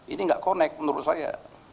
ini tidak konek menurut saya